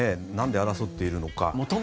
なんで争っているのか。